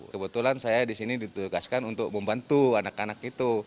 kebetulan saya disini ditugaskan untuk membantu anak anak itu